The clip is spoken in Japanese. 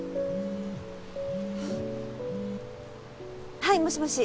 はいもしもし。